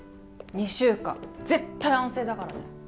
２週間絶対安静だからね